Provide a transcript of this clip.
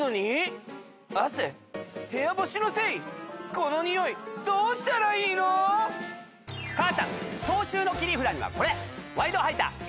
このニオイどうしたらいいの⁉母ちゃん消臭の切り札にはこれ！